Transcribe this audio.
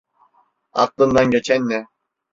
Aklından geçen ne?